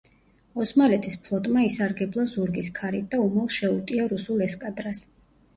ოსმალეთის ფლოტმა ისარგებლა ზურგის ქარით და უმალ შეუტია რუსულ ესკადრას.